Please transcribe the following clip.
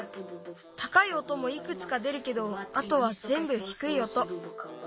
たかい音もいくつか出るけどあとはぜんぶひくい音。